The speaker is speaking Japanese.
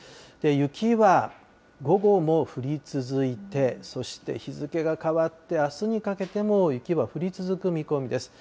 雪は午後も降り続いて、そして日付が変わってあすにかけても、雪は降り続く見込みです。